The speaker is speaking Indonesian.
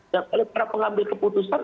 dan para pengambil keputusan